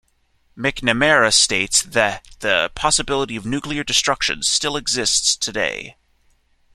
McNamara states that the possibility of nuclear destruction still exists today.